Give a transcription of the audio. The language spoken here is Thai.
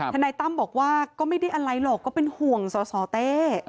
นายตั้มบอกว่าก็ไม่ได้อะไรหรอกก็เป็นห่วงสสเต้